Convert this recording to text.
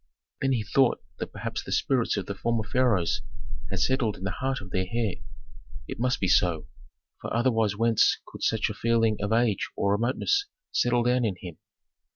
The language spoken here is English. Then he thought that perhaps the spirits of the former pharaohs had settled in the heart of their heir. It must be so, for otherwise whence could such a feeling of age or remoteness settle down in him?